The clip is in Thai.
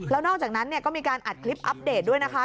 แล้วนอกจากนั้นก็มีการอัดคลิปอัปเดตด้วยนะคะ